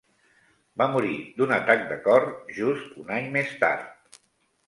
Va morir d'un atac de cor just un any més tard.